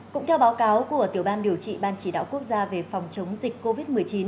cũng theo báo cáo của tiểu ban điều trị ban chỉ đạo quốc gia về phòng chống dịch covid một mươi chín